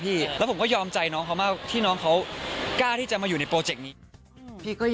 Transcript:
พี่ก็ยอมใจน้องแบงค์มาก